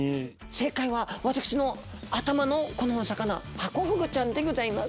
正解は私の頭のこのお魚ハコフグちゃんでギョざいます。